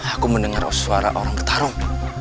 aku mendengar suara orang ketaruh